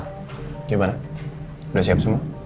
gimana udah siap semua